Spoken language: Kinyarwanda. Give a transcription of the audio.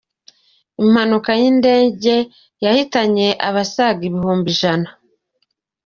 Impanuka y’indege yahitanye abasaga ibihumbi ijana